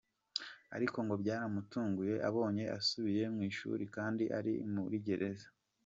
Ariko ngo byaramutunguye abonye asubiye mu ishuri kandi ari muri gereza.